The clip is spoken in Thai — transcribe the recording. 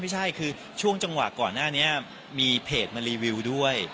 ไม่ใช่คือช่วงจังหวะก่อนหน้านี้มีเพจมารีวิวด้วย